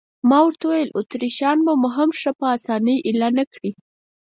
ما ورته وویل: اتریشیان به مو هم ښه په اسانۍ اېله نه کړي.